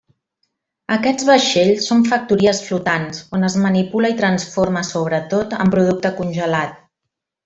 Aquests vaixells són factories flotants, on es manipula i transforma, sobretot, en producte congelat.